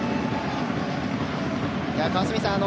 川澄さん